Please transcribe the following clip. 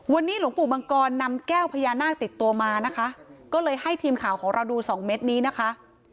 วันนี้หลวงปู่มังกรนำแก้วพญานาคติดตัวมานะคะก็เลยให้ทีมข่าวของเราดูสองเม็ดนี้นะคะ